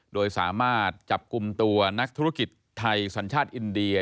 โดยสามารถจับกลุ่มตัวนักธุรกิจไทยสัญชาติอินเดีย